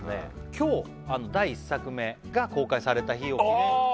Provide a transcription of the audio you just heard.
今日第１作目が公開された日を記念あ